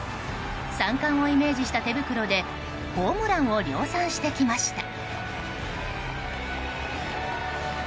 三冠をイメージした手袋でホームランを量産してきました。